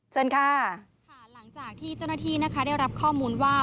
เชิญค่ะค่ะหลังจากที่เจ้าหน้าที่นะคะได้รับข้อมูลว่า